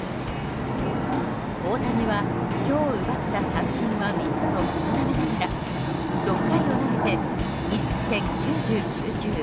大谷は、今日奪った三振は３つと少なめながら６回を投げて２失点９９球。